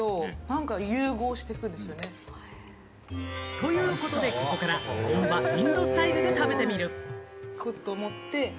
ということで、ここからは本場インドスタイルで食べてみる。